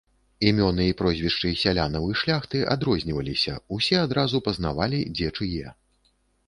Імёны і прозвішчы сялянаў і шляхты адрозніваліся, усе адразу пазнавалі, дзе чые.